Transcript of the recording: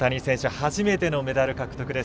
初めてのメダル獲得です。